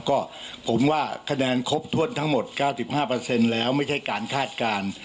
ก็ผมว่าคะแนนครบถ้วนทั้งหมด๙๕แล้วไม่ใช่การคาดการณ์